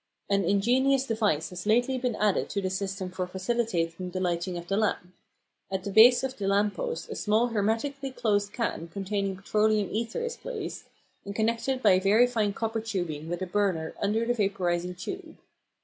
An ingenious device has lately been added to the system for facilitating the lighting of the lamp. At the base of the lamp post a small hermetically closed can containing petroleum ether is placed, and connected by very fine copper tubing with a burner under the vaporising tube.